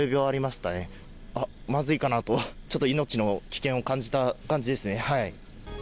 あっ、まずいかなと、ちょっと命の危険を感じた感じですね。